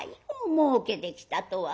『もうけてきた』とは。